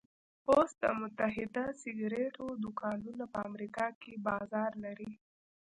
اوس د متحده سګرېټو دوکانونه په امريکا کې بازار لري.